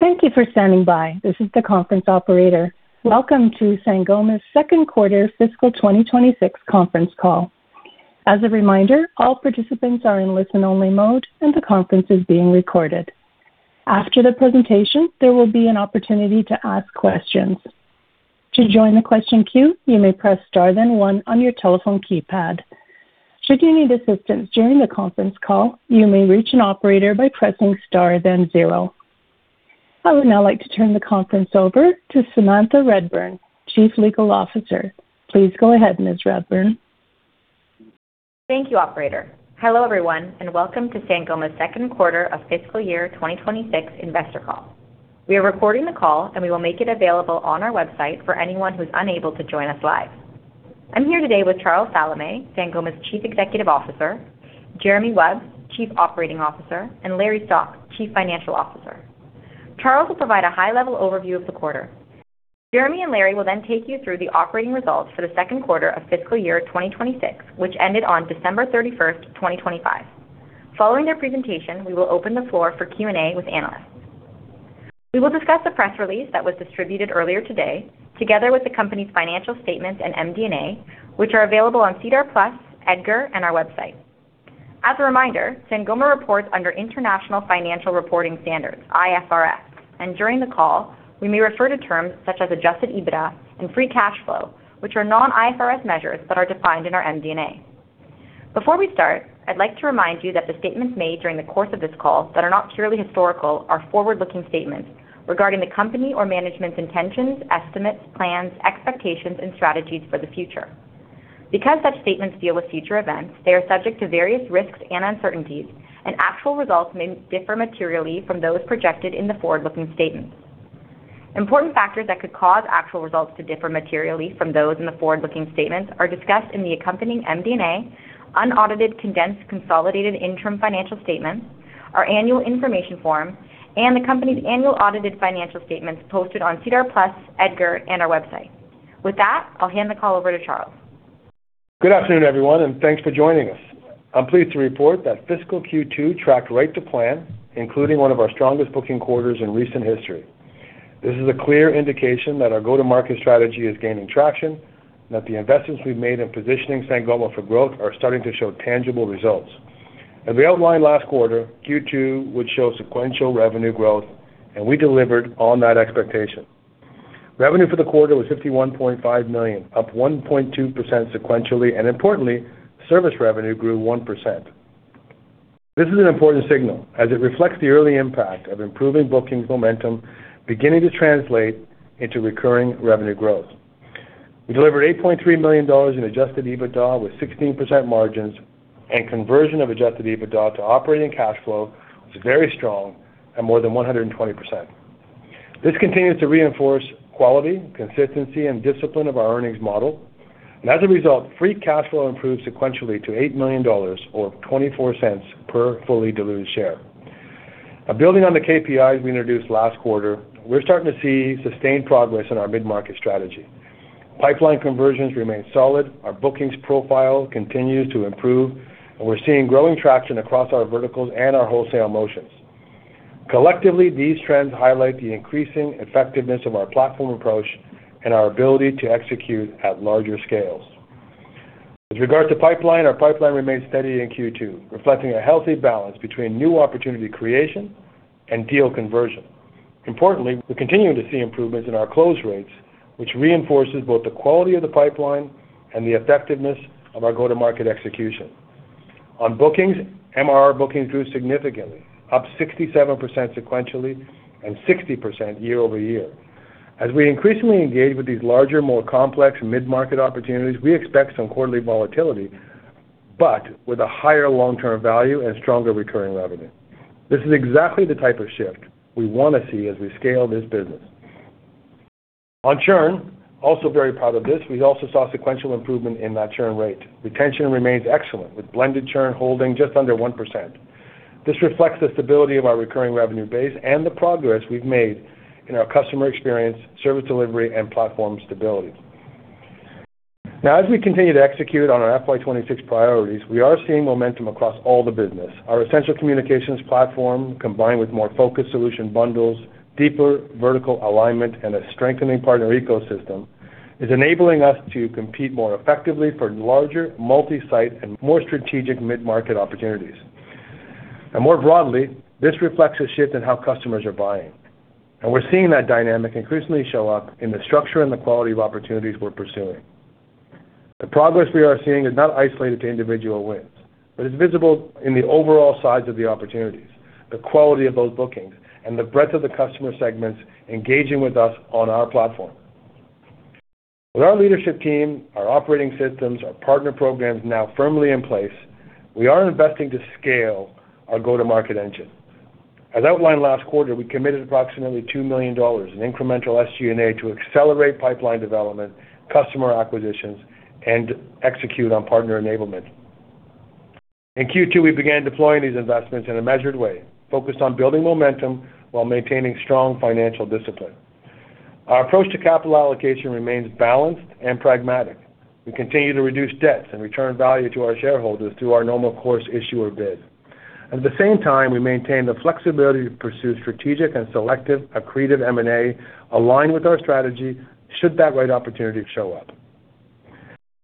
Thank you for standing by. This is the conference operator. Welcome to Sangoma's second quarter fiscal 2026 conference call. As a reminder, all participants are in listen-only mode, and the conference is being recorded. After the presentation, there will be an opportunity to ask questions. To join the question queue, you may press star, then one on your telephone keypad. Should you need assistance during the conference call, you may reach an operator by pressing star, then zero. I would now like to turn the conference over to Samantha Reburn, Chief Legal Officer. Please go ahead, Ms. Reburn. Thank you, operator. Hello, everyone, and welcome to Sangoma's second quarter of fiscal year 2026 investor call. We are recording the call, and we will make it available on our website for anyone who's unable to join us live. I'm here today with Charles Salameh, Sangoma's Chief Executive Officer, Jeremy Wubs, Chief Operating Officer, and Larry Stock, Chief Financial Officer. Charles will provide a high-level overview of the quarter. Jeremy and Larry will then take you through the operating results for the second quarter of fiscal year 2026, which ended on December 31, 2025. Following their presentation, we will open the floor for Q&A with analysts. We will discuss the press release that was distributed earlier today, together with the company's financial statements and MD&A, which are available on SEDAR+, EDGAR, and our website. As a reminder, Sangoma reports under International Financial Reporting Standards, IFRS, and during the call, we may refer to terms such as adjusted EBITDA and free cash flow, which are non-IFRS measures that are defined in our MD&A. Before we start, I'd like to remind you that the statements made during the course of this call that are not purely historical are forward-looking statements regarding the company or management's intentions, estimates, plans, expectations, and strategies for the future. Because such statements deal with future events, they are subject to various risks and uncertainties, and actual results may differ materially from those projected in the forward-looking statements. Important factors that could cause actual results to differ materially from those in the forward-looking statements are discussed in the accompanying MD&A, unaudited, condensed, consolidated interim financial statements, our annual information form, and the company's annual audited financial statements posted on SEDAR+, EDGAR, and our website. With that, I'll hand the call over to Charles. Good afternoon, everyone, and thanks for joining us. I'm pleased to report that fiscal Q2 tracked right to plan, including one of our strongest booking quarters in recent history. This is a clear indication that our go-to-market strategy is gaining traction, and that the investments we've made in positioning Sangoma for growth are starting to show tangible results. As we outlined last quarter, Q2 would show sequential revenue growth, and we delivered on that expectation. Revenue for the quarter was $51.5 million, up 1.2% sequentially, and importantly, service revenue grew 1%. This is an important signal as it reflects the early impact of improving bookings momentum, beginning to translate into recurring revenue growth. We delivered $8.3 million in adjusted EBITDA, with 16% margins, and conversion of adjusted EBITDA to operating cash flow was very strong at more than 120%. This continues to reinforce quality, consistency, and discipline of our earnings model, and as a result, free cash flow improved sequentially to $8 million, or $0.24 per fully diluted share. Now, building on the KPIs we introduced last quarter, we're starting to see sustained progress in our mid-market strategy. Pipeline conversions remain solid, our bookings profile continues to improve, and we're seeing growing traction across our verticals and our wholesale motions. Collectively, these trends highlight the increasing effectiveness of our platform approach and our ability to execute at larger scales. With regard to pipeline, our pipeline remains steady in Q2, reflecting a healthy balance between new opportunity creation and deal conversion. Importantly, we're continuing to see improvements in our close rates, which reinforces both the quality of the pipeline and the effectiveness of our go-to-market execution. On bookings, MRR bookings grew significantly, up 67% sequentially and 60% year-over-year. As we increasingly engage with these larger, more complex mid-market opportunities, we expect some quarterly volatility, but with a higher long-term value and stronger recurring revenue. This is exactly the type of shift we want to see as we scale this business. On churn, also very proud of this, we also saw sequential improvement in that churn rate. Retention remains excellent, with blended churn holding just under 1%. This reflects the stability of our recurring revenue base and the progress we've made in our customer experience, service delivery, and platform stability. Now, as we continue to execute on our FY 2026 priorities, we are seeing momentum across all the business. Our essential communications platform, combined with more focused solution bundles, deeper vertical alignment, and a strengthening partner ecosystem, is enabling us to compete more effectively for larger, multi-site, and more strategic mid-market opportunities. And more broadly, this reflects a shift in how customers are buying, and we're seeing that dynamic increasingly show up in the structure and the quality of opportunities we're pursuing. The progress we are seeing is not isolated to individual wins, but is visible in the overall size of the opportunities, the quality of those bookings, and the breadth of the customer segments engaging with us on our platform. With our leadership team, our operating systems, our partner programs now firmly in place, we are investing to scale our go-to-market engine. As outlined last quarter, we committed approximately $2 million in incremental SG&A to accelerate pipeline development, customer acquisitions, and execute on partner enablement. In Q2, we began deploying these investments in a measured way, focused on building momentum while maintaining strong financial discipline. Our approach to capital allocation remains balanced and pragmatic. We continue to reduce debts and return value to our shareholders through our normal course issuer bid. At the same time, we maintain the flexibility to pursue strategic and selective accretive M&A aligned with our strategy, should that right opportunity show up.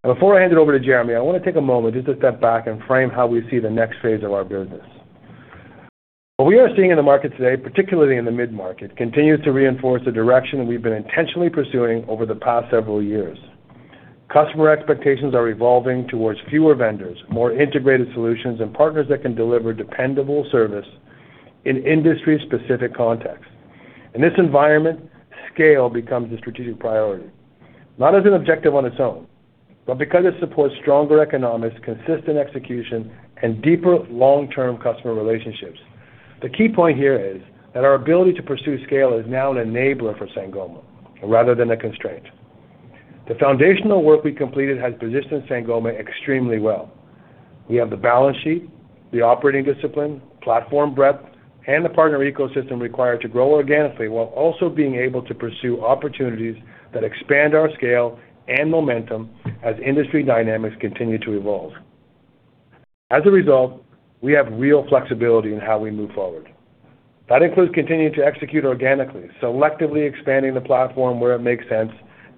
Now, before I hand it over to Jeremy, I want to take a moment just to step back and frame how we see the next phase of our business. What we are seeing in the market today, particularly in the mid-market, continues to reinforce the direction we've been intentionally pursuing over the past several years. Customer expectations are evolving towards fewer vendors, more integrated solutions, and partners that can deliver dependable service in industry-specific contexts. In this environment, scale becomes a strategic priority, not as an objective on its own, but because it supports stronger economics, consistent execution, and deeper long-term customer relationships. The key point here is that our ability to pursue scale is now an enabler for Sangoma rather than a constraint. The foundational work we completed has positioned Sangoma extremely well. We have the balance sheet, the operating discipline, platform breadth, and the partner ecosystem required to grow organically, while also being able to pursue opportunities that expand our scale and momentum as industry dynamics continue to evolve. As a result, we have real flexibility in how we move forward. That includes continuing to execute organically, selectively expanding the platform where it makes sense,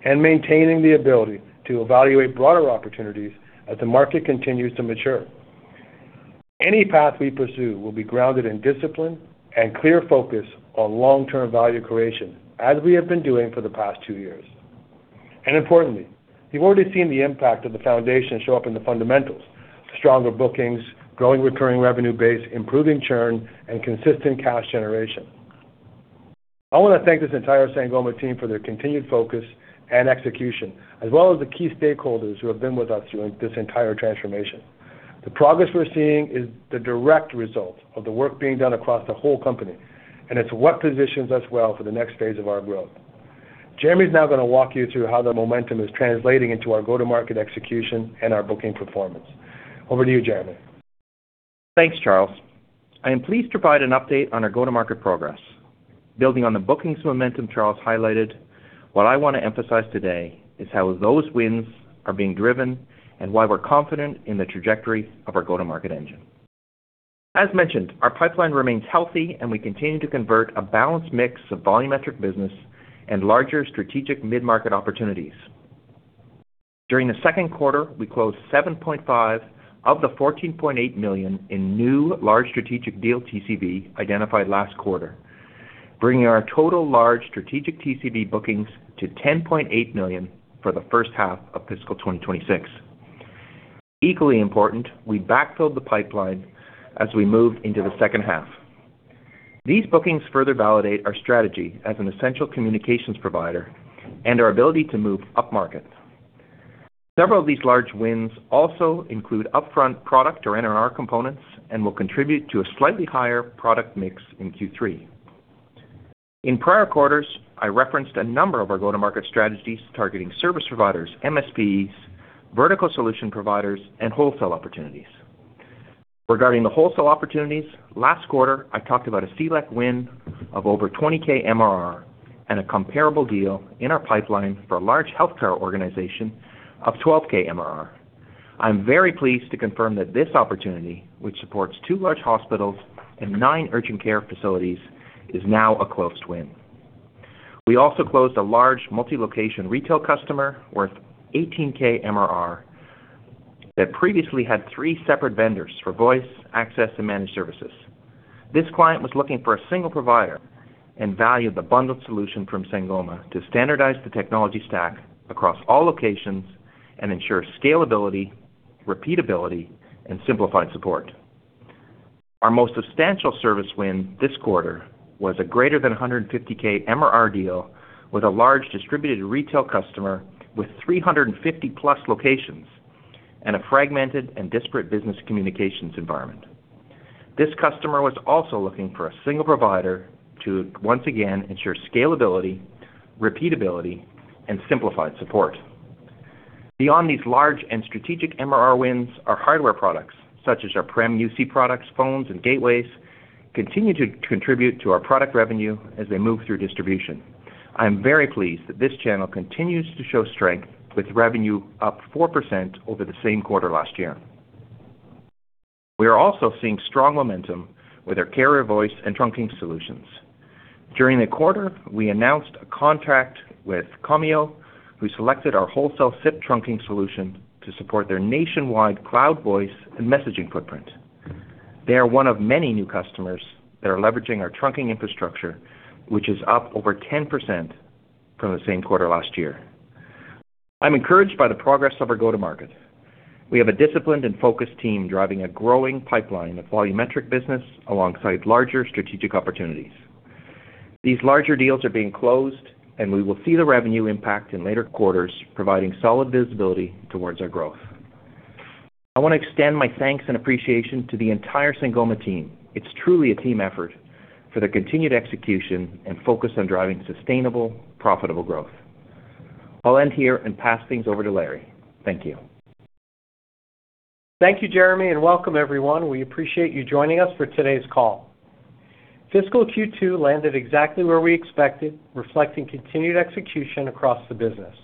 and maintaining the ability to evaluate broader opportunities as the market continues to mature. Any path we pursue will be grounded in discipline and clear focus on long-term value creation, as we have been doing for the past two years. Importantly, we've already seen the impact of the foundation show up in the fundamentals, stronger bookings, growing recurring revenue base, improving churn, and consistent cash generation. I want to thank this entire Sangoma team for their continued focus and execution, as well as the key stakeholders who have been with us during this entire transformation. The progress we're seeing is the direct result of the work being done across the whole company, and it's what positions us well for the next phase of our growth. Jeremy is now going to walk you through how the momentum is translating into our go-to-market execution and our booking performance. Over to you, Jeremy. Thanks, Charles. I am pleased to provide an update on our go-to-market progress. Building on the bookings momentum Charles highlighted, what I want to emphasize today is how those wins are being driven and why we're confident in the trajectory of our go-to-market engine. As mentioned, our pipeline remains healthy, and we continue to convert a balanced mix of volumetric business and larger strategic mid-market opportunities. During the second quarter, we closed 7.5 of the $14.8 million in new large strategic deal TCV identified last quarter, bringing our total large strategic TCV bookings to $10.8 million for the first half of fiscal 2026. Equally important, we backfilled the pipeline as we moved into the second half. These bookings further validate our strategy as an essential communications provider and our ability to move upmarket. Several of these large wins also include upfront product or NRR components and will contribute to a slightly higher product mix in Q3. In prior quarters, I referenced a number of our go-to-market strategies targeting service providers, MSPs, vertical solution providers, and wholesale opportunities. Regarding the wholesale opportunities, last quarter, I talked about a select win of over 20K MRR and a comparable deal in our pipeline for a large healthcare organization of 12K MRR. I'm very pleased to confirm that this opportunity, which supports two large hospitals and nine urgent care facilities, is now a closed win. We also closed a large multi-location retail customer worth 18K MRR that previously had three separate vendors for voice, access, and managed services. This client was looking for a single provider and valued the bundled solution from Sangoma to standardize the technology stack across all locations and ensure scalability, repeatability, and simplified support. Our most substantial service win this quarter was a greater than $150K MRR deal with a large distributed retail customer with 350+ locations and a fragmented and disparate business communications environment. This customer was also looking for a single provider to, once again, ensure scalability, repeatability, and simplified support. Beyond these large and strategic MRR wins, our hardware products, such as our prem UC products, phones, and gateways, continue to contribute to our product revenue as they move through distribution. I'm very pleased that this channel continues to show strength, with revenue up 4% over the same quarter last year. We are also seeing strong momentum with our carrier voice and trunking solutions. During the quarter, we announced a contract with Commio, who selected our wholesale SIP trunking solution to support their nationwide cloud voice and messaging footprint. They are one of many new customers that are leveraging our trunking infrastructure, which is up over 10% from the same quarter last year. I'm encouraged by the progress of our go-to-market. We have a disciplined and focused team driving a growing pipeline of volumetric business alongside larger strategic opportunities. These larger deals are being closed, and we will see the revenue impact in later quarters, providing solid visibility towards our growth. I want to extend my thanks and appreciation to the entire Sangoma team. It's truly a team effort for their continued execution and focus on driving sustainable, profitable growth. I'll end here and pass things over to Larry. Thank you. Thank you, Jeremy, and welcome everyone. We appreciate you joining us for today's call. Fiscal Q2 landed exactly where we expected, reflecting continued execution across the business.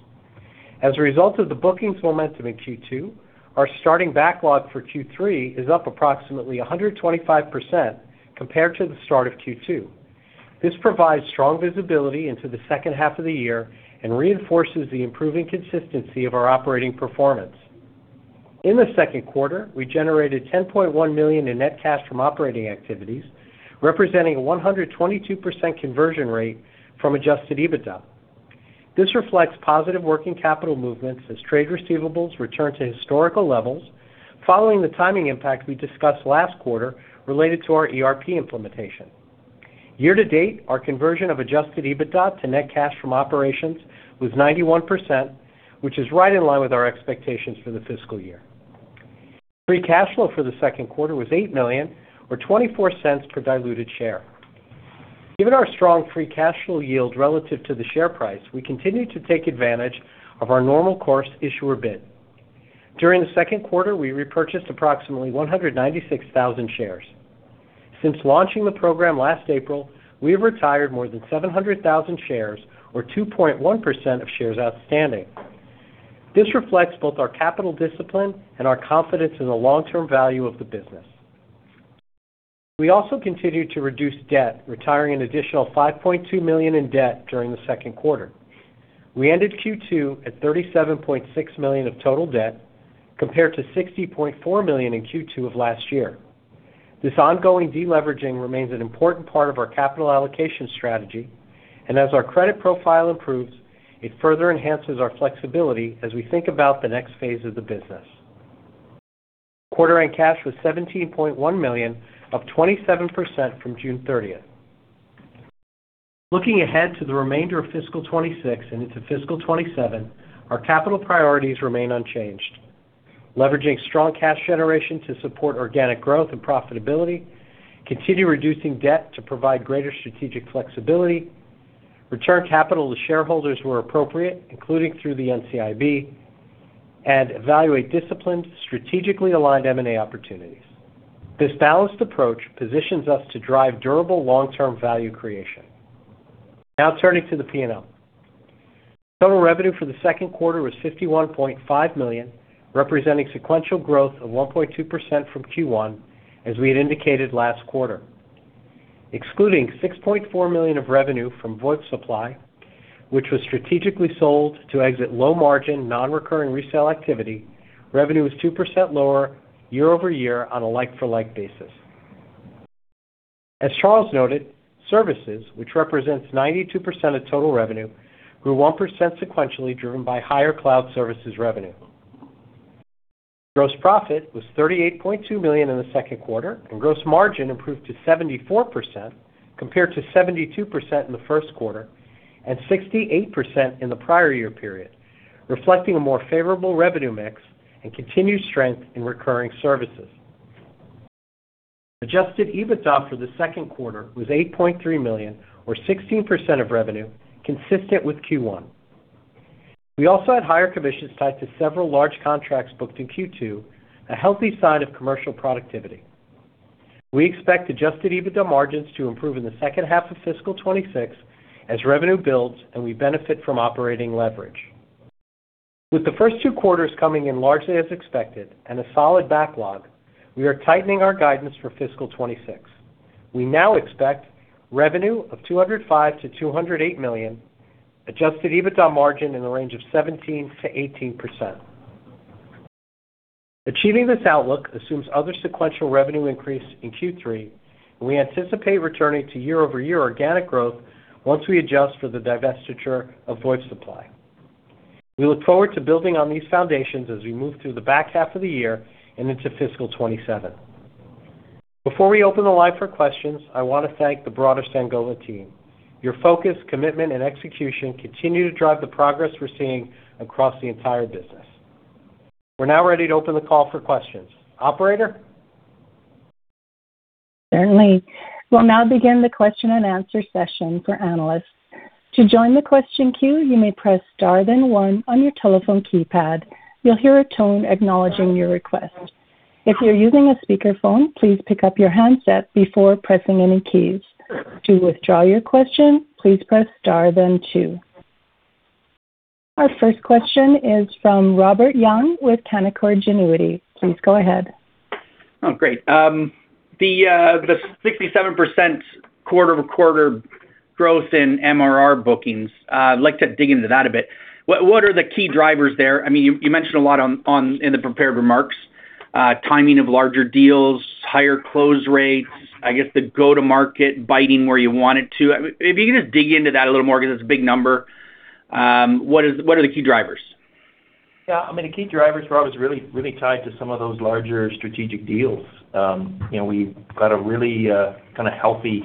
As a result of the bookings momentum in Q2, our starting backlog for Q3 is up approximately 125% compared to the start of Q2. This provides strong visibility into the second half of the year and reinforces the improving consistency of our operating performance. In the second quarter, we generated $10.1 million in net cash from operating activities, representing a 122% conversion rate from adjusted EBITDA. This reflects positive working capital movements as trade receivables return to historical levels following the timing impact we discussed last quarter related to our ERP implementation. Year-to-date, our conversion of adjusted EBITDA to net cash from operations was 91%, which is right in line with our expectations for the fiscal year. Free cash flow for the second quarter was $8 million, or $0.24 per diluted share. Given our strong free cash flow yield relative to the share price, we continue to take advantage of our normal course issuer bid. During the second quarter, we repurchased approximately 196,000 shares. Since launching the program last April, we have retired more than 700,000 shares, or 2.1% of shares outstanding. This reflects both our capital discipline and our confidence in the long-term value of the business. We also continued to reduce debt, retiring an additional $5.2 million in debt during the second quarter. We ended Q2 at $37.6 million of total debt, compared to $60.4 million in Q2 of last year. This ongoing deleveraging remains an important part of our capital allocation strategy, and as our credit profile improves, it further enhances our flexibility as we think about the next phase of the business. Quarter-end cash was $17.1 million, up 27% from June 30. Looking ahead to the remainder of fiscal 2026 and into fiscal 2027, our capital priorities remain unchanged. Leveraging strong cash generation to support organic growth and profitability, continue reducing debt to provide greater strategic flexibility, return capital to shareholders where appropriate, including through the NCIB, and evaluate disciplined, strategically aligned M&A opportunities. This balanced approach positions us to drive durable long-term value creation. Now turning to the P&L. Total revenue for the second quarter was $51.5 million, representing sequential growth of 1.2% from Q1, as we had indicated last quarter. Excluding $6.4 million of revenue from VoIP Supply, which was strategically sold to exit low-margin, non-recurring resale activity, revenue was 2% lower year-over-year on a like-for-like basis. As Charles noted, services, which represents 92% of total revenue, grew 1% sequentially, driven by higher cloud services revenue. Gross profit was $38.2 million in the second quarter, and gross margin improved to 74%, compared to 72% in the first quarter and 68% in the prior year period, reflecting a more favorable revenue mix and continued strength in recurring services. Adjusted EBITDA for the second quarter was $8.3 million, or 16% of revenue, consistent with Q1. We also had higher commissions tied to several large contracts booked in Q2, a healthy sign of commercial productivity. We expect adjusted EBITDA margins to improve in the second half of fiscal 2026 as revenue builds and we benefit from operating leverage. With the first two quarters coming in largely as expected and a solid backlog, we are tightening our guidance for fiscal 2026. We now expect revenue of $205 million-$208 million, adjusted EBITDA margin in the range of 17%-18%. Achieving this outlook assumes other sequential revenue increase in Q3, and we anticipate returning to year-over-year organic growth once we adjust for the divestiture of VoIP Supply. We look forward to building on these foundations as we move through the back half of the year and into fiscal 2027. Before we open the line for questions, I want to thank the broader Sangoma team. Your focus, commitment, and execution continue to drive the progress we're seeing across the entire business. We're now ready to open the call for questions. Operator? Certainly. We'll now begin the question-and-answer session for analysts. To join the question queue, you may press star, then one on your telephone keypad. You'll hear a tone acknowledging your request. If you're using a speakerphone, please pick up your handset before pressing any keys. To withdraw your question, please press star, then two. Our first question is from Robert Young with Canaccord Genuity. Please go ahead. Oh, great. The 67% quarter-over-quarter growth in MRR bookings, I'd like to dig into that a bit. What are the key drivers there? I mean, you mentioned a lot in the prepared remarks, timing of larger deals, higher close rates, I guess the go-to-market biting where you want it to. I mean, if you could just dig into that a little more, because that's a big number. What are the key drivers? Yeah, I mean, the key drivers, Rob, is really, really tied to some of those larger strategic deals. You know, we've got a really, kind of healthy,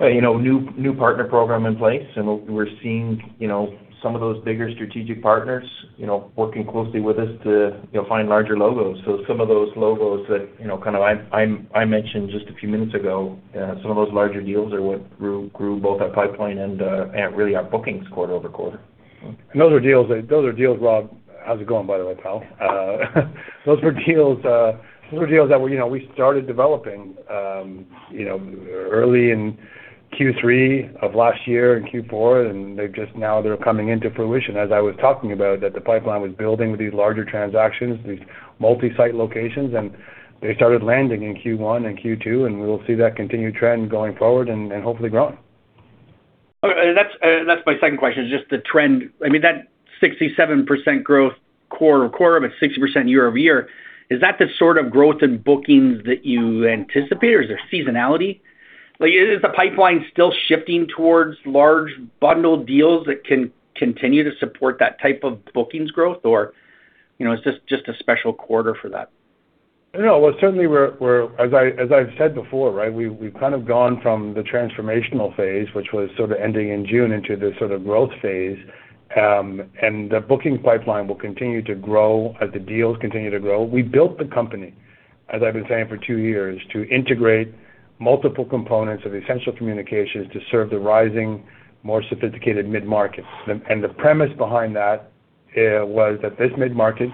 you know, new partner program in place, and we're seeing, you know, some of those bigger strategic partners, you know, working closely with us to, you know, find larger logos. So some of those logos that, you know, kind of I mentioned just a few minutes ago, some of those larger deals are what grew both our pipeline and, and really our bookings quarter-over-quarter. Those are deals, those are deals, Rob. How's it going, by the way, pal? Those were deals, those were deals that we, you know, we started developing, you know, early in Q3 of last year, in Q4, and they're just now coming into fruition as I was talking about, that the pipeline was building with these larger transactions, these multi-site locations, and they started landing in Q1 and Q2, and we will see that continued trend going forward and hopefully growing. And that's my second question, is just the trend. I mean, that 67% growth quarter-over-quarter, but 60% year-over-year, is that the sort of growth in bookings that you anticipate, or is there seasonality? Like, is the pipeline still shifting towards large bundled deals that can continue to support that type of bookings growth? Or, you know, it's just a special quarter for that. No. Well, certainly, we're—as I've said before, right, we've kind of gone from the transformational phase, which was sort of ending in June, into this sort of growth phase. And the booking pipeline will continue to grow as the deals continue to grow. We built the company, as I've been saying for two years, to integrate multiple components of essential communications to serve the rising, more sophisticated mid-market. And the premise behind that was that this mid-market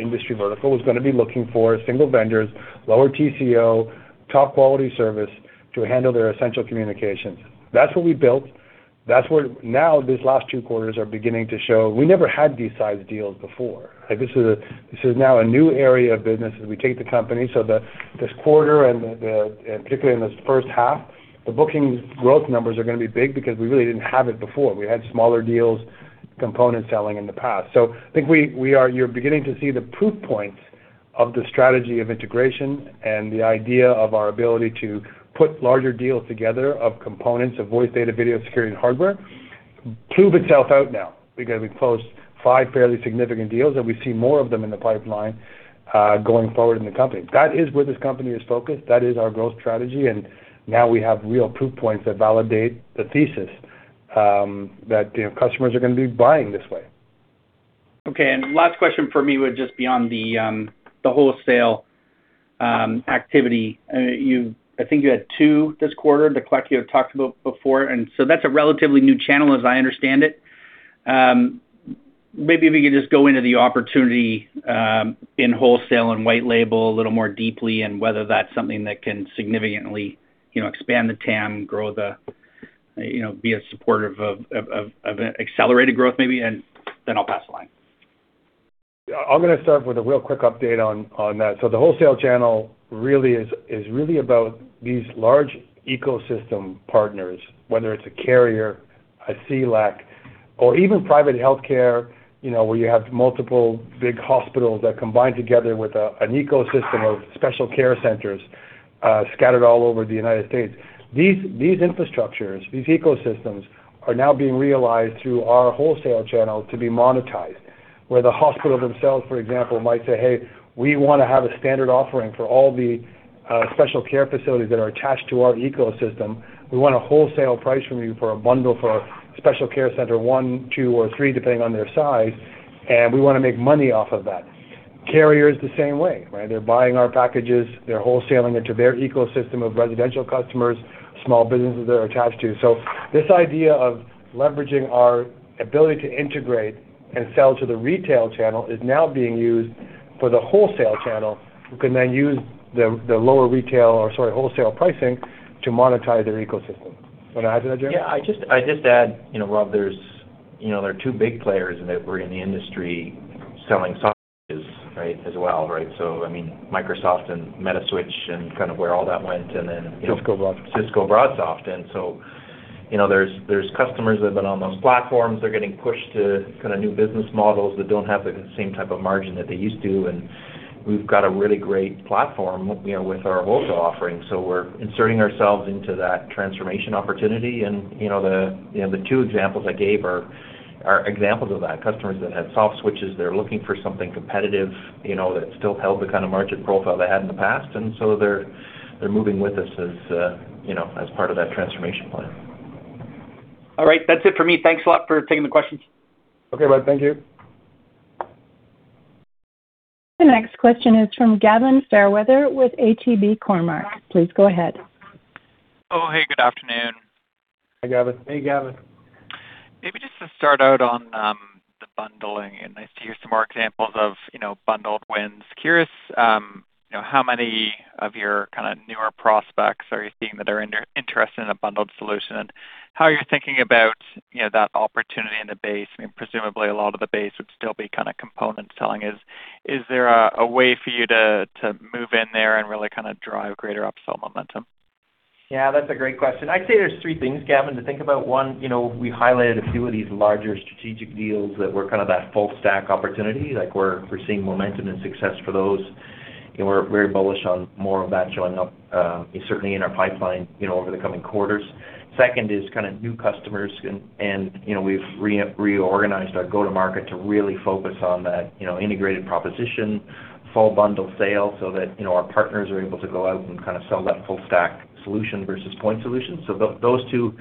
industry vertical was gonna be looking for single vendors, lower TCO, top-quality service to handle their essential communications. That's what we built. That's where now these last two quarters are beginning to show. We never had these size deals before, right? This is now a new area of business, as we take the company. So this quarter and particularly in this first half, the bookings growth numbers are gonna be big because we really didn't have it before. We had smaller deals, component selling in the past. So I think you're beginning to see the proof points of the strategy of integration and the idea of our ability to put larger deals together of components of voice, data, video, security, and hardware, prove itself out now because we've closed five fairly significant deals, and we see more of them in the pipeline, going forward in the company. That is where this company is focused. That is our growth strategy, and now we have real proof points that validate the thesis, that, you know, customers are gonna be buying this way. Okay, and last question for me would just be on the wholesale activity. I think you had two this quarter, the CLEC you had talked about before, and so that's a relatively new channel, as I understand it. Maybe if you could just go into the opportunity in wholesale and white label a little more deeply and whether that's something that can significantly, you know, expand the TAM, grow the, you know, be a supporter of accelerated growth, maybe, and then I'll pass the line. I'm gonna start with a real quick update on that. So the wholesale channel really is really about these large ecosystem partners, whether it's a carrier, a CLEC, or even private healthcare, you know, where you have multiple big hospitals that combine together with a an ecosystem of special care centers scattered all over the United States. These infrastructures, these ecosystems, are now being realized through our wholesale channel to be monetized, where the hospital themselves, for example, might say, "Hey, we wanna have a standard offering for all the special care facilities that are attached to our ecosystem. We want a wholesale price from you for a bundle for special care center one, two, or three, depending on their size, and we wanna make money off of that." Carrier is the same way, right? They're buying our packages, they're wholesaling into their ecosystem of residential customers, small businesses they're attached to. So this idea of leveraging our ability to integrate and sell to the retail channel is now being used for the wholesale channel, who can then use the lower retail, or sorry, wholesale pricing to monetize their ecosystem. Want to add to that, Jeremy? Yeah, I'd just add, you know, Rob. There's, you know, there are two big players that were in the industry selling soft switches, right, as well, right? So, I mean, Microsoft and Metaswitch and kind of where all that went, and then, you know- Cisco BroadSoft. Cisco BroadSoft. So, you know, there's customers that have been on those platforms. They're getting pushed to kind of new business models that don't have the same type of margin that they used to, and we've got a really great platform, you know, with our wholesale offering. So we're inserting ourselves into that transformation opportunity. And, you know, you know, the two examples I gave are examples of that. Customers that had soft switches, they're looking for something competitive, you know, that still held the kind of margin profile they had in the past, and so they're moving with us as, you know, as part of that transformation plan. All right. That's it for me. Thanks a lot for taking the questions. Okay, Rob. Thank you. The next question is from Gavin Fairweather with ATB Cormark. Please go ahead. Oh, hey, good afternoon. Hi, Gavin. Hey, Gavin. Maybe just to start out on the bundling. Nice to hear some more examples of, you know, bundled wins. Curious, you know, how many of your kind of newer prospects are you seeing that are interested in a bundled solution? How are you thinking about, you know, that opportunity in the base? I mean, presumably, a lot of the base would still be kind of component selling. Is there a way for you to move in there and really kind of drive greater upsell momentum? Yeah, that's a great question. I'd say there's three things, Gavin, to think about. One, you know, we highlighted a few of these larger strategic deals that were kind of that full stack opportunity. Like, we're seeing momentum and success for those, and we're bullish on more of that showing up, certainly in our pipeline, you know, over the coming quarters. Second is kind of new customers and, you know, we've reorganized our go-to-market to really focus on that, you know, integrated proposition, full bundle sale, so that, you know, our partners are able to go out and kind of sell that full stack solution versus point solution. So those two,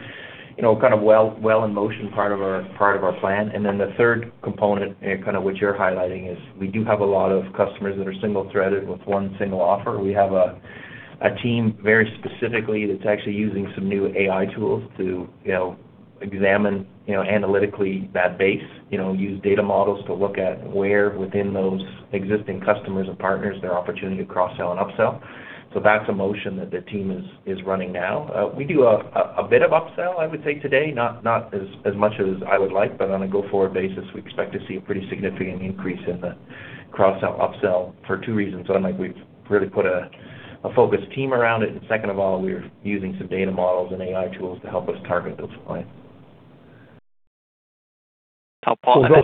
you know, kind of well in motion, part of our plan. And then the third component, and kind of what you're highlighting, is we do have a lot of customers that are single-threaded with one single offer. We have a team very specifically that's actually using some new AI tools to, you know, examine, you know, analytically that base. You know, use data models to look at where within those existing customers and partners, there are opportunity to cross-sell and upsell. So that's a motion that the team is running now. We do a bit of upsell, I would say today, not as much as I would like, but on a go-forward basis, we expect to see a pretty significant increase in the cross-sell, upsell for two reasons. One, like, we've really put a focused team around it, and second of all, we're using some data models and AI tools to help us target those clients. Paul, and then-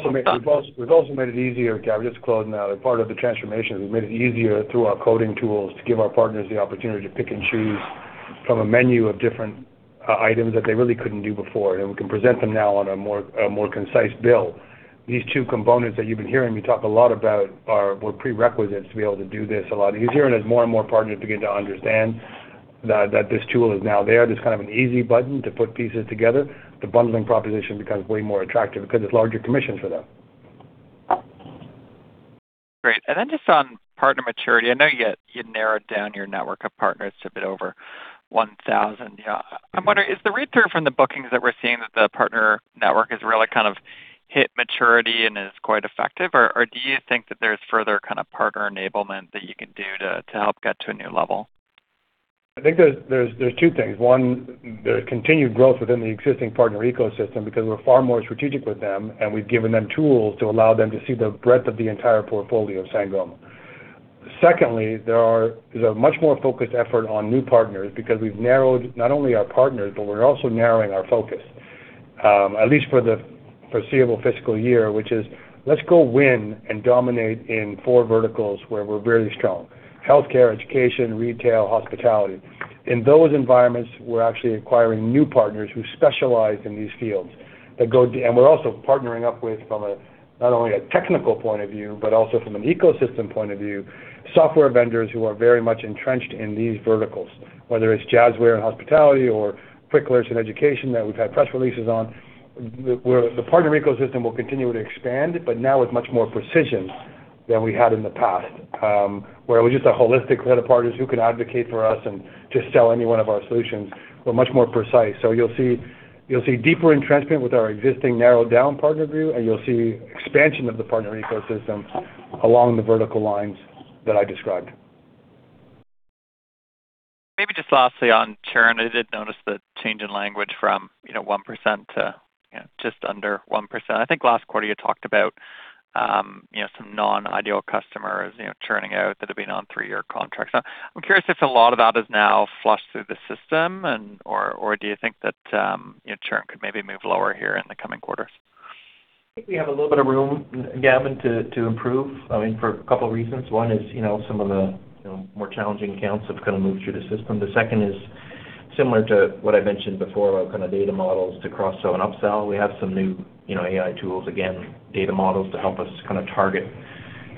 We've also made it easier, Gavin, just to close now, as part of the transformation, we've made it easier through our coding tools to give our partners the opportunity to pick and choose from a menu of different items that they really couldn't do before, and we can present them now on a more concise bill. These two components that you've been hearing me talk a lot about were prerequisites to be able to do this a lot easier. As more and more partners begin to understand that this tool is now there, this kind of an easy button to put pieces together, the bundling proposition becomes way more attractive because it's larger commission for them. Great. And then just on partner maturity, I know you've narrowed down your network of partners to a bit over 1,000. Yeah. I'm wondering, is the return from the bookings that we're seeing, that the partner network has really kind of hit maturity and is quite effective? Or do you think that there's further kind of partner enablement that you can do to help get to a new level? I think there's two things. One, there is continued growth within the existing partner ecosystem because we're far more strategic with them, and we've given them tools to allow them to see the breadth of the entire portfolio of Sangoma. Secondly, there is a much more focused effort on new partners because we've narrowed not only our partners, but we're also narrowing our focus, at least for the foreseeable fiscal year, which is, let's go win and dominate in four verticals where we're very strong: healthcare, education, retail, hospitality. In those environments, we're actually acquiring new partners who specialize in these fields. We're also partnering up with, from a not only a technical point of view, but also from an ecosystem point of view, software vendors who are very much entrenched in these verticals, whether it's Jazzware in hospitality or Quicklert in education, that we've had press releases on. The partner ecosystem will continue to expand, but now with much more precision than we had in the past, where it was just a holistic set of partners who can advocate for us and just sell any one of our solutions. We're much more precise, so you'll see, you'll see deeper entrenchment with our existing narrowed down partner view, and you'll see expansion of the partner ecosystem along the vertical lines that I described. Maybe just lastly, on churn, I did notice the change in language from, you know, 1% to, you know, just under 1%. I think last quarter, you talked about, you know, some non-ideal customers, you know, churning out that have been on three-year contracts. Now, I'm curious if a lot of that is now flushed through the system, and, or, or do you think that, you know, churn could maybe move lower here in the coming quarters? I think we have a little bit of room, Gavin, to improve, I mean, for a couple of reasons. One is, you know, some of the, you know, more challenging accounts have kind of moved through the system. The second is similar to what I mentioned before about kind of data models to cross-sell and upsell. We have some new, you know, AI tools, again, data models to help us kind of target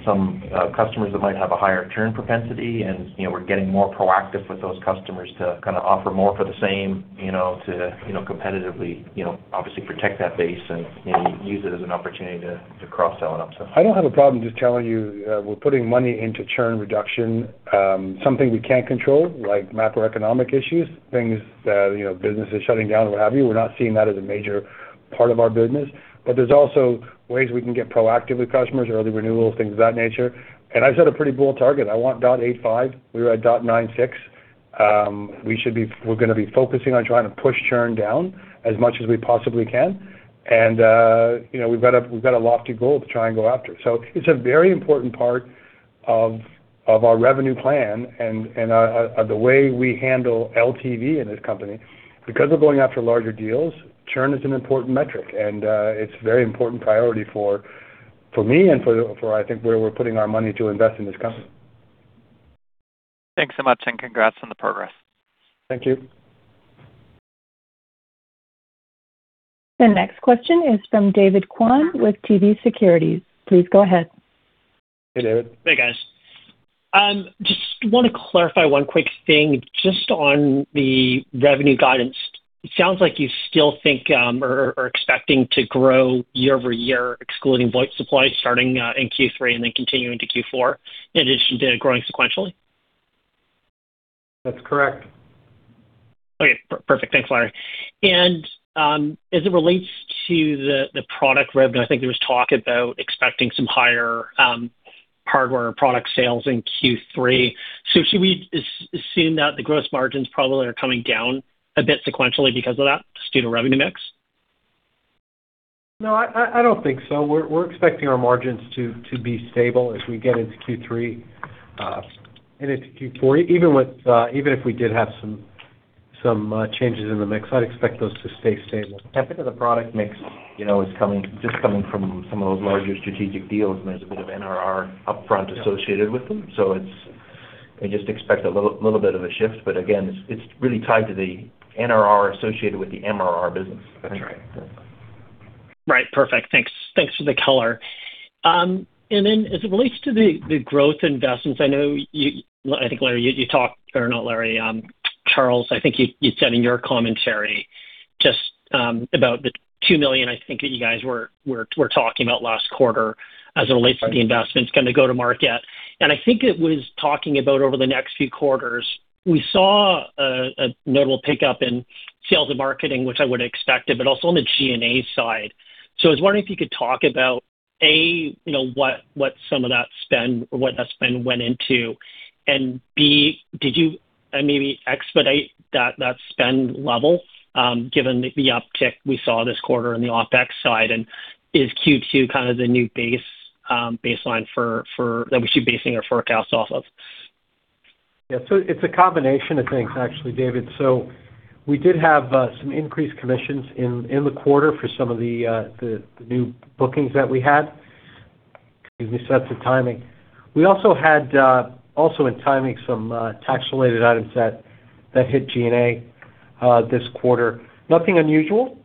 some customers that might have a higher churn propensity. And, you know, we're getting more proactive with those customers to kind of offer more for the same, you know, to, you know, competitively, you know, obviously protect that base and, you know, use it as an opportunity to cross-sell and upsell. I don't have a problem just telling you, we're putting money into churn reduction. Something we can't control, like macroeconomic issues, things that, you know, businesses shutting down or what have you, we're not seeing that as a major part of our business. But there's also ways we can get proactive with customers, early renewals, things of that nature. And I set a pretty bold target. I want .85. We're at .96. We're gonna be focusing on trying to push churn down as much as we possibly can. And, you know, we've got a lofty goal to try and go after. So it's a very important part of our revenue plan and the way we handle LTV in this company. Because we're going after larger deals, churn is an important metric, and it's a very important priority for me and, I think, where we're putting our money to invest in this company. Thanks so much, and congrats on the progress. Thank you. The next question is from David Kwan with TD Securities. Please go ahead. Hey, David. Hey, guys. Just wanna clarify one quick thing, just on the revenue guidance. It sounds like you still think, or, or are expecting to grow year-over-year, excluding VoIP Supply, starting in Q3 and then continuing to Q4, in addition to growing sequentially? That's correct. Okay, perfect. Thanks, Larry. And, as it relates to the product revenue, I think there was talk about expecting some higher hardware product sales in Q3. So should we assume that the gross margins probably are coming down a bit sequentially because of that, just due to revenue mix? No, I don't think so. We're expecting our margins to be stable as we get into Q3 and into Q4. Even if we did have some changes in the mix, I'd expect those to stay stable. I think that the product mix, you know, is coming, just coming from some of those larger strategic deals, and there's a bit of NRR upfront associated with them. So it's... I just expect a little, little bit of a shift, but again, it's, it's really tied to the NRR associated with the MRR business. That's right. Right. Perfect. Thanks, thanks for the color. And then as it relates to the growth investments, I know you—I think, Larry, you talked. Or not Larry, Charles, I think you said in your commentary—just about the $2 million I think that you guys were talking about last quarter as it relates to the investments kind of go-to-market. And I think it was talking about over the next few quarters, we saw a notable pickup in sales and marketing, which I would expect it, but also on the G&A side. I was wondering if you could talk about, A, you know, what some of that spend or what that spend went into, and B, did you maybe expedite that spend level, given the uptick we saw this quarter on the OpEx side, and is Q2 kind of the new baseline for that we should be basing our forecast off of? Yeah. So it's a combination of things, actually, David. So we did have some increased commissions in the quarter for some of the new bookings that we had because we set the timing. We also had also in timing some tax-related items that hit G&A this quarter. Nothing unusual,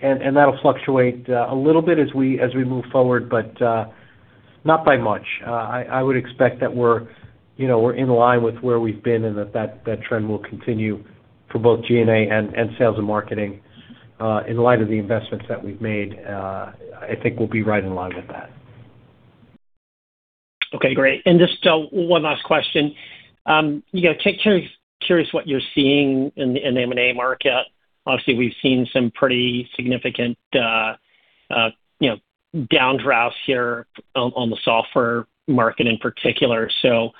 and that'll fluctuate a little bit as we move forward, but not by much. I would expect that we're, you know, we're in line with where we've been and that trend will continue for both G&A and sales and marketing in light of the investments that we've made. I think we'll be right in line with that. Okay, great. Just one last question. You know, curious what you're seeing in the M&A market. Obviously, we've seen some pretty significant, you know, downdrafts here on the software market in particular. So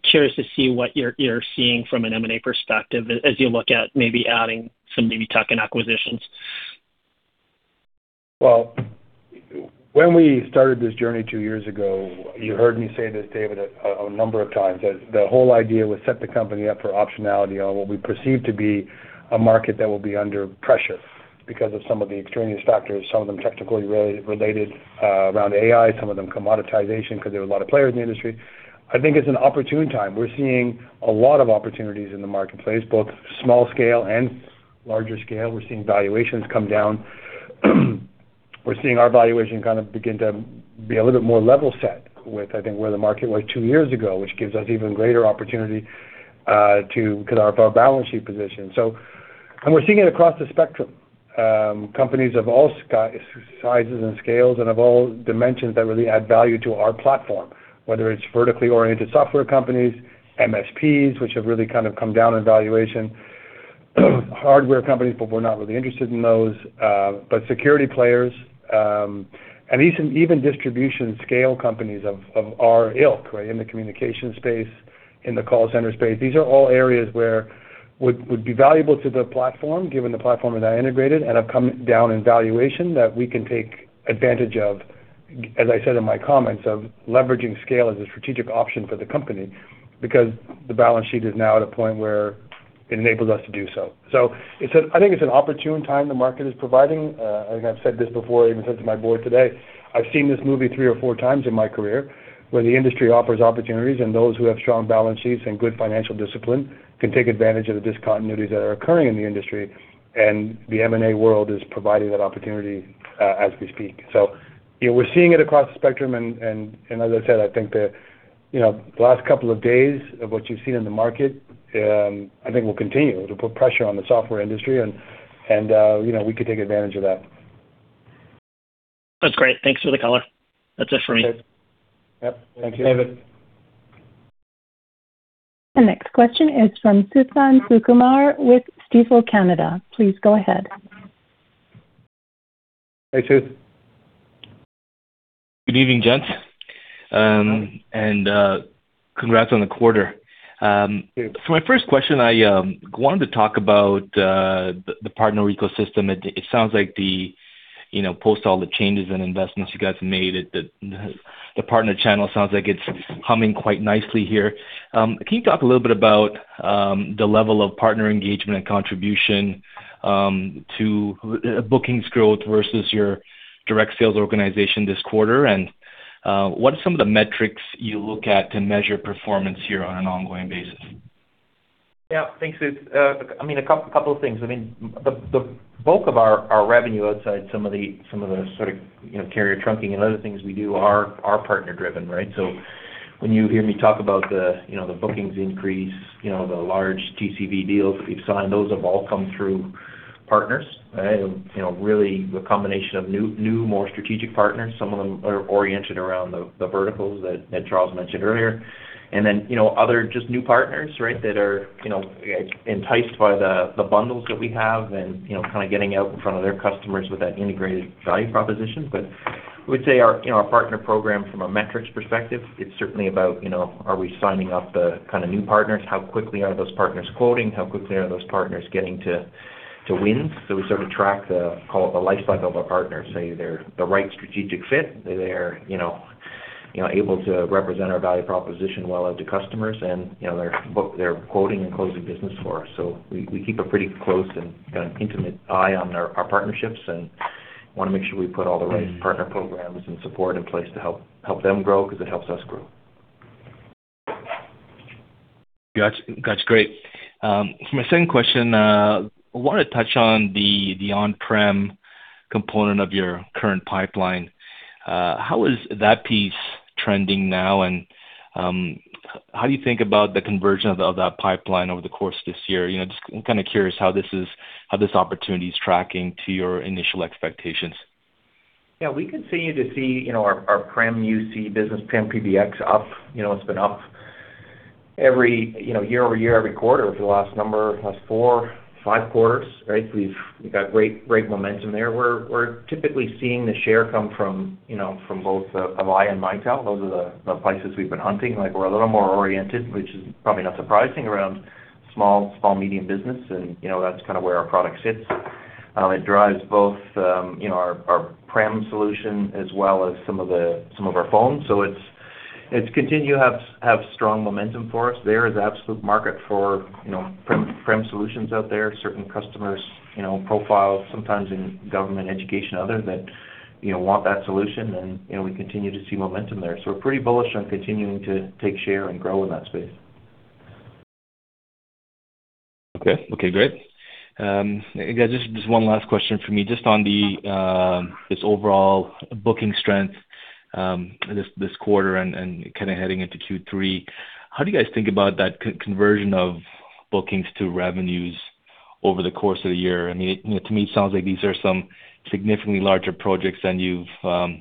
curious to see what you're seeing from an M&A perspective as you look at maybe adding some tuck-in acquisitions. Well, when we started this journey two years ago, you heard me say this, David, a number of times, that the whole idea was set the company up for optionality on what we perceive to be a market that will be under pressure because of some of the extraneous factors, some of them technically related, around AI, some of them commoditization, because there are a lot of players in the industry. I think it's an opportune time. We're seeing a lot of opportunities in the marketplace, both small scale and larger scale. We're seeing valuations come down. We're seeing our valuation kind of begin to be a little bit more level set with, I think, where the market was two years ago, which gives us even greater opportunity, because our balance sheet position. And we're seeing it across the spectrum, companies of all sizes and scales and of all dimensions that really add value to our platform, whether it's vertically oriented software companies, MSPs, which have really kind of come down in valuation, hardware companies, but we're not really interested in those, but security players, and even distribution scale companies of our ilk, right? In the communication space, in the call center space. These are all areas where would be valuable to the platform, given the platform that I integrated and have come down in valuation that we can take advantage of, as I said in my comments, of leveraging scale as a strategic option for the company, because the balance sheet is now at a point where it enables us to do so. So, I think it's an opportune time the market is providing. I think I've said this before, I even said to my board today, I've seen this movie three or four times in my career, where the industry offers opportunities, and those who have strong balance sheets and good financial discipline can take advantage of the discontinuities that are occurring in the industry, and the M&A world is providing that opportunity, as we speak. So, you know, we're seeing it across the spectrum. And as I said, I think the, you know, the last couple of days of what you've seen in the market, I think will continue to put pressure on the software industry and, you know, we could take advantage of that. That's great. Thanks for the color. That's it for me. Yep. Thank you, David. The next question is from Suthan Sukumar with Stifel Canada. Please go ahead. Hi, Su. Good evening, gents. Congrats on the quarter. So my first question I wanted to talk about the partner ecosystem. It sounds like the you know post all the changes and investments you guys made, the partner channel sounds like it's humming quite nicely here. Can you talk a little bit about the level of partner engagement and contribution to bookings growth versus your direct sales organization this quarter? What are some of the metrics you look at to measure performance here on an ongoing basis? Yeah. Thanks, Su. I mean, a couple of things. I mean, the bulk of our revenue outside some of the sort of, you know, carrier trunking and other things we do are partner-driven, right? So when you hear me talk about the, you know, the bookings increase, you know, the large TCV deals that we've signed, those have all come through partners, right? You know, really the combination of new, more strategic partners. Some of them are oriented around the verticals that Charles mentioned earlier. And then, you know, other just new partners, right? That are, you know, enticed by the bundles that we have and, you know, kind of getting out in front of their customers with that integrated value proposition. But I would say our, you know, our partner program from a metrics perspective, it's certainly about, you know, are we signing up the kind of new partners? How quickly are those partners quoting? How quickly are those partners getting to win? So we sort of track the, call it, the life cycle of a partner, say they're the right strategic fit, they're, you know, you know, able to represent our value proposition well to customers, and, you know, they're quoting and closing business for us. So we keep a pretty close and kind of intimate eye on our partnerships and wanna make sure we put all the right partner programs and support in place to help them grow, because it helps us grow. Gotcha. That's great. For my second question, I wanna touch on the on-prem component of your current pipeline, how is that piece trending now? How do you think about the conversion of that pipeline over the course of this year? You know, just I'm kind of curious how this is, how this opportunity is tracking to your initial expectations. Yeah, we continue to see, you know, our, our Prem UC business, Prem PBX up. You know, it's been up every, you know, year-over-year, every quarter for the last number, last 4, 5 quarters, right? We've, we've got great, great momentum there. We're, we're typically seeing the share come from, you know, from both, Avaya and Mitel. Those are the, the places we've been hunting. Like, we're a little more oriented, which is probably not surprising around small, small, medium business, and, you know, that's kind of where our product sits. It drives both, you know, our, our prem solution as well as some of our phones. So it's, it's continue to have, have strong momentum for us. There is absolute market for, you know, prem, prem solutions out there. Certain customers, you know, profiles, sometimes in government, education, other that, you know, want that solution and, you know, we continue to see momentum there. So we're pretty bullish on continuing to take share and grow in that space. Okay. Okay, great. Just, just one last question for me. Just on the, this overall booking strength, this, this quarter and, and kind of heading into Q3. How do you guys think about that conversion of bookings to revenues over the course of the year? I mean, you know, to me, it sounds like these are some significantly larger projects than you've,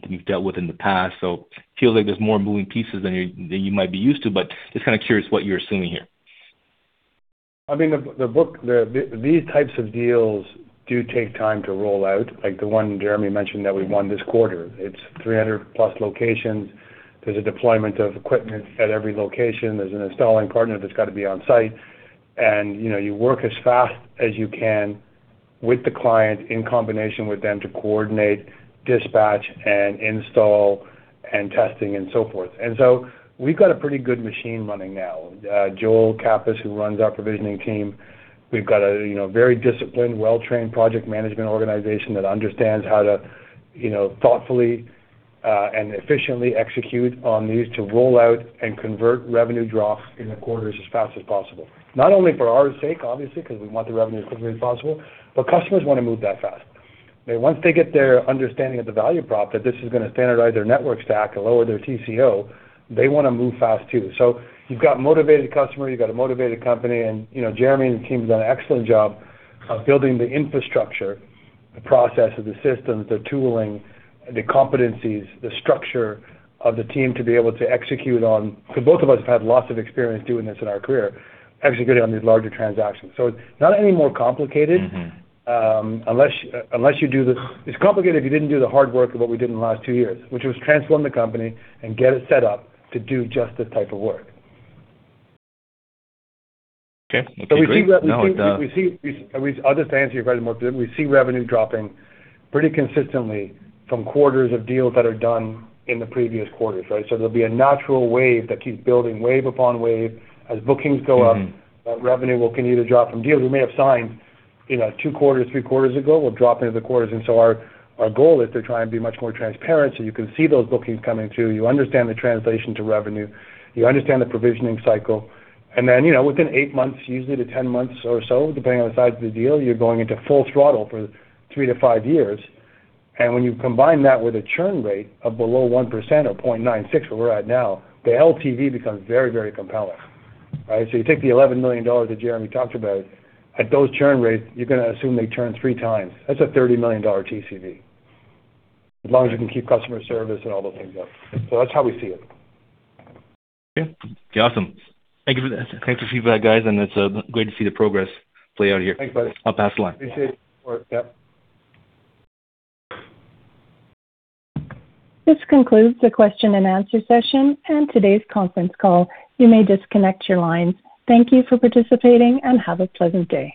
you've dealt with in the past, so it feels like there's more moving pieces than you, than you might be used to, but just kind of curious what you're assuming here. I mean, these types of deals do take time to roll out, like the one Jeremy mentioned that we won this quarter. It's 300+ locations. There's a deployment of equipment at every location. There's an installing partner that's got to be on site, and, you know, you work as fast as you can with the client in combination with them to coordinate, dispatch, and install, and testing, and so forth. And so we've got a pretty good machine running now. Joel Kappes, who runs our provisioning team, we've got a, you know, very disciplined, well-trained project management organization that understands how to, you know, thoughtfully, and efficiently execute on these to roll out and convert revenue drops in the quarters as fast as possible. Not only for our sake, obviously, because we want the revenue as quickly as possible, but customers want to move that fast. Once they get their understanding of the value prop, that this is gonna standardize their network stack and lower their TCO, they wanna move fast, too. So you've got a motivated customer, you've got a motivated company, and, you know, Jeremy and the team have done an excellent job of building the infrastructure, the process of the systems, the tooling, the competencies, the structure of the team to be able to execute on... So both of us have had lots of experience doing this in our career, executing on these larger transactions. So it's not any more complicated- Mm-hmm... unless, unless you do. It's complicated if you didn't do the hard work of what we did in the last two years, which was transform the company and get it set up to do just this type of work. Okay, great. But we see just to answer you more, we see revenue dropping pretty consistently from quarters of deals that are done in the previous quarters, right? So there'll be a natural wave that keeps building, wave upon wave. As bookings go up- Mm-hmm... that revenue will continue to drop from deals we may have signed, you know, 2 quarters, 3 quarters ago, will drop into the quarters. And so our, our goal is to try and be much more transparent, so you can see those bookings coming through. You understand the translation to revenue, you understand the provisioning cycle, and then, you know, within 8 months, usually to 10 months or so, depending on the size of the deal, you're going into full throttle for 3-5 years. And when you combine that with a churn rate of below 1% or 0.96%, where we're at now, the LTV becomes very, very compelling, right? So you take the $11 million that Jeremy talked about, at those churn rates, you're gonna assume they churn 3 times. That's a $30 million TCV, as long as you can keep customer service and all those things up. So that's how we see it. Okay. Awesome. Thank you for that. Thank you for feedback, guys, and it's great to see the progress play out here. Thanks, buddy. I'll pass the line. Appreciate it. Yep. This concludes the question and answer session and today's conference call. You may disconnect your lines. Thank you for participating, and have a pleasant day.